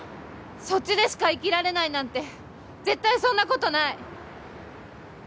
そっちでしか生きられないなんて絶対そんなことない。